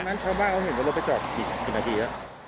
อย่างนั้นชาวบ้านเขาเห็นว่ารถเขาไปจอดกี่นาทีแล้ว